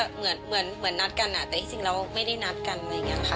เหมือนนัดกันอย่างนี้แต่ที่สิ้นเราไม่ได้นัดกัน